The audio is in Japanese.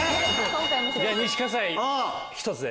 西西１つで。